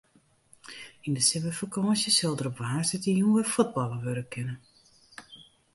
Yn de simmerfakânsje sil der op woansdeitejûn wer fuotballe wurde kinne.